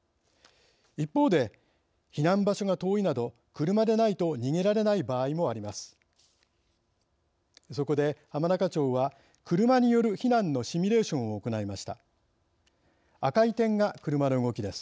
一方で避難場所が遠いなど車でないと逃げられない場合もあります。